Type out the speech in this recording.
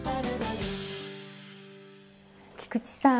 菊池さん